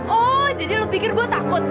oh jadinya lu jadi gue udah takut